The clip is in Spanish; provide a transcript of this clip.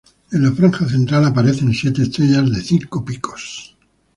En la franja central aparecen siete estrellas de cinco picos.